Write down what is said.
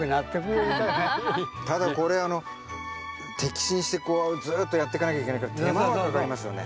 ただこれ摘心してこうずっとやってかなきゃいけないから手間はかかりますよね。